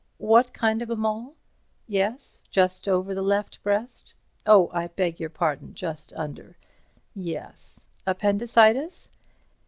What kind of a mole? Yes—just over the left breast? Oh, I beg your pardon, just under—yes—appendicitis?